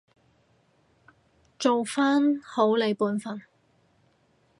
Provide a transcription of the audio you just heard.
做返好你本分